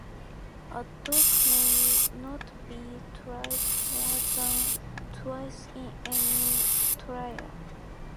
A dog may not be tried more than twice in any trial.